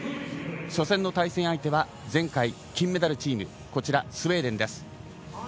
初戦の対戦相手は前回金メダルチーム、スウェーデンです。